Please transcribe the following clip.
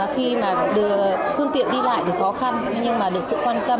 khi mà đưa phương tiện đi lại thì khó khăn nhưng mà được sự quan tâm